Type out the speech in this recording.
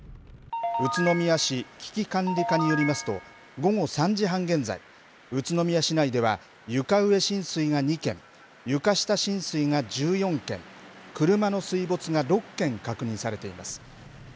宇都宮市危機管理課によりますと、午後３時半現在、宇都宮市内では、床上浸水が２件、床下浸水が１４件、車の水没が６件確認されています。